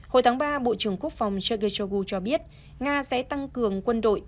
hồi tháng ba bộ trưởng quốc phòng sergei shoigu cho biết nga sẽ tăng cường quân đội